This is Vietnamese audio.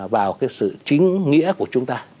vào cái sự chính nghĩa của chúng ta